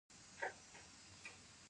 یاقوت د افغانستان د بڼوالۍ برخه ده.